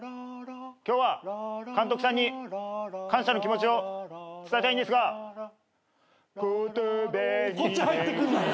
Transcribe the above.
今日は監督さんに感謝の気持ちを伝えたいんですが「言葉に出来ない」